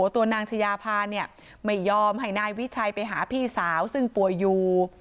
ตัวนางชายาพาเนี่ยไม่ยอมให้นายวิชัยไปหาพี่สาวซึ่งป่วยอยู่